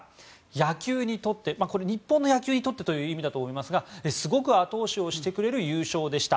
野球にとってこれは日本の野球にとってという意味だと思いますがすごく後押ししてくれる優勝でした。